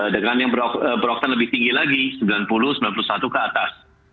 dengan yang broktan lebih tinggi lagi sembilan puluh sembilan puluh satu ke atas